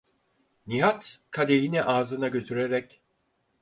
Nihat kadehini ağzına götürerek: